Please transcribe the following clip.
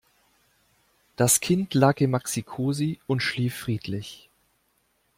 Das Kind lag im Maxicosi und schlief friedlich.